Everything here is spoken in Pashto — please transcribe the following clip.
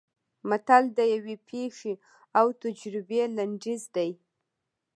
متل د یوې پېښې او تجربې لنډیز دی